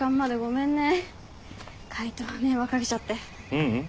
ううん。